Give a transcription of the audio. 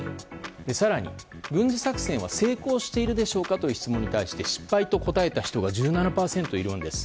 更に、軍事作戦は成功しているでしょうかという質問に対して失敗と答えた人が１７％いるんです。